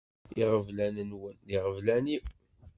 Iɣeblan-nwen d iɣeblan-iw.